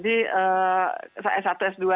itu kita pilih s tiga ya